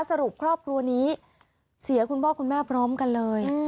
สรุปครอบครัวนี้เสียคุณพ่อคุณแม่พร้อมกันเลย